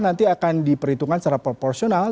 nanti akan diperhitungkan secara proporsional